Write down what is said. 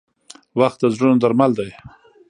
• وخت د زړونو درمل دی.